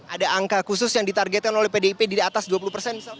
ada angka khusus yang ditargetkan oleh pdip di atas dua puluh persen